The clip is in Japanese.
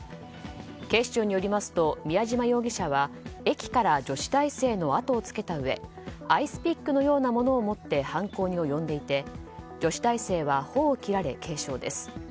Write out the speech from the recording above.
警視庁によりますと宮嶋容疑者は駅から女子大生のあとをつけたうえアイスピックのようなものを持って犯行に及んでいて女子大生は頬を切られ軽傷です。